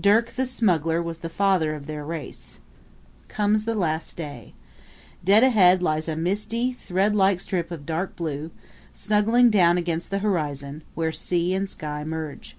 Dirk, the Smuggler, was the father of their race. Comes the last day. Dead ahead lies a misty, thread like strip of dark blue, snuggling down against the horizon, where sea and sky merge.